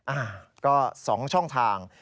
อ่าก็๒ช่องทาง